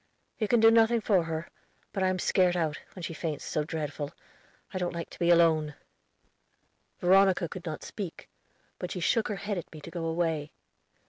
"You can do nothing for her; but I am scared out, when she faints so dreadful; I don't like to be alone." Veronica could not speak, but she shook her head at me to go away.